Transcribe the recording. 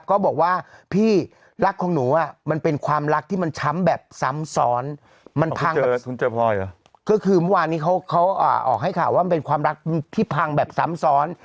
ก็คือที่เมื่อฉันเนี้ยของเขาออกให้ข่าวว่ามันเป็นความลักษณ์ที่พังแบบซ้ำซ้อน